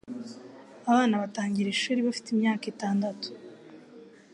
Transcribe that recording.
Abana batangira ishuri bafite imyaka itandatu.